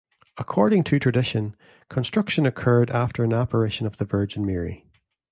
According to tradition, construction occurred after an apparition of the Virgin Mary.